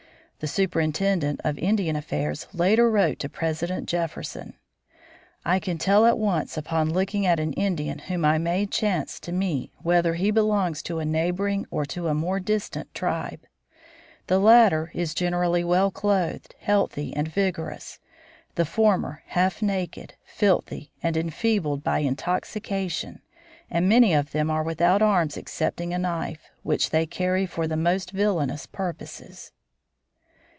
The Superintendent of Indian Affairs later wrote to President Jefferson: "I can tell at once upon looking at an Indian whom I may chance to meet whether he belongs to a neighboring or to a more distant tribe. The latter is generally well clothed, healthy, and vigorous; the former, half naked, filthy, and enfeebled by intoxication, and many of them are without arms excepting a knife, which they carry for the most villainous purposes."